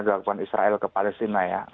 dari lakukan israel ke palestina ya